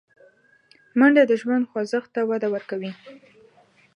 منډه د ژوند خوځښت ته وده ورکوي